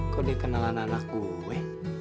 kok dikenalan anak gue